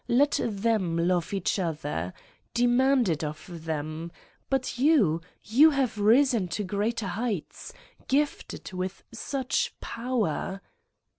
Let them love each other. Demand it of them, but you, you have risen to greater heights, gifted with such power!